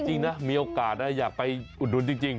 จริงนะมีโอกาสนะอยากไปอุดหนุนจริง